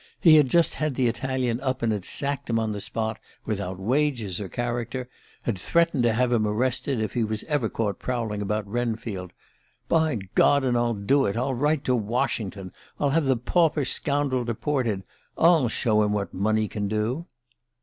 He had just had the Italian up and had sacked him on the spot, without wages or character had threatened to have him arrested if he was ever caught prowling about Wrenfield. 'By God, and I'll do it I'll write to Washington I'll have the pauper scoundrel deported! I'll show him what money can do!